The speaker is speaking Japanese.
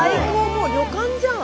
もう旅館じゃん。